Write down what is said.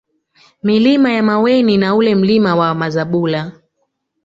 Milima ya Maweni na ule Mlima wa Mazabula